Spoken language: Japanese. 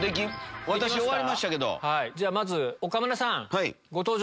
じゃあまず岡村さんご登場